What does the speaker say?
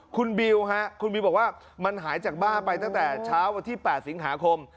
คุณบิวฮะคุณบิวบอกว่ามันหายจากบ้าไปตั้งแต่เช้าวันที่๘สิงหาคม